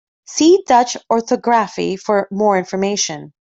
See Dutch orthography for more information.